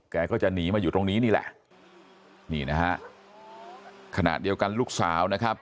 ก็จะหนีมาอยู่ตรงนี้นี่แหละนี่นะฮะขณะเดียวกันลูกสาวนะครับ